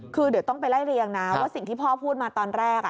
คือเดี๋ยวต้องไปไล่เรียงนะว่าสิ่งที่พ่อพูดมาตอนแรก